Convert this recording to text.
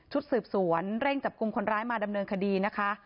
สืบสวนเร่งจับกลุ่มคนร้ายมาดำเนินคดีนะคะ